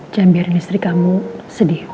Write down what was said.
jangan biarin istri kamu sedih